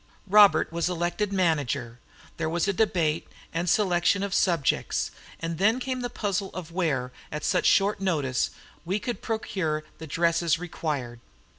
Robert was elected manager; there was a debate and selection of subjects, and then came the puzzle of where, at such short notice, we could procure the dresses required.